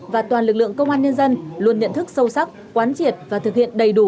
và toàn lực lượng công an nhân dân luôn nhận thức sâu sắc quán triệt và thực hiện đầy đủ